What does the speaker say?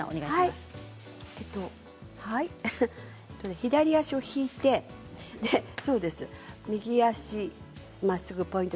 左足を引いて右足まっすぐポイント